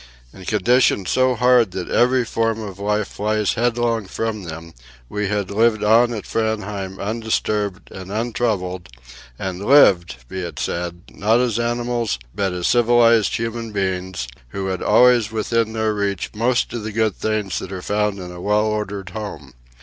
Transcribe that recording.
In conditions so hard that every form of life flies headlong from them, we had lived on at Framheim undisturbed and untroubled, and lived, be it said, not as animals, but as civilized human beings, who had always within their reach most of the good things that are found in a well ordered home.